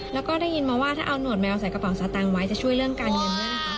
แล้วก็ได้ยินมาว่าถ้าเอาหนวดแมวใส่กระเป๋าสตางค์ไว้จะช่วยเรื่องการเงินด้วยนะคะ